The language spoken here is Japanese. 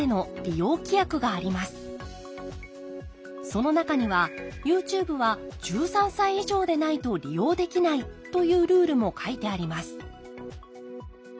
その中にはＹｏｕＴｕｂｅは１３歳以上でないと利用できないというルールも書いてあります